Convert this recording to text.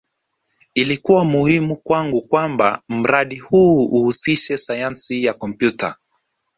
Ilikuwa muhimu kwangu kwamba mradi huu uhusishe Sayansi ya Kompyuta